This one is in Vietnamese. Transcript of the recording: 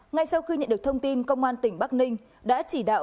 ngay sau khi nhận được thông tin công an tỉnh bắc ninh đã chỉ đạo